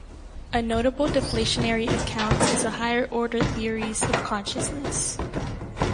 A notable deflationary account is the higher-order theories of consciousness.